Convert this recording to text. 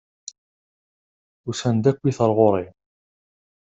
Usan-d akkit ar ɣur-i!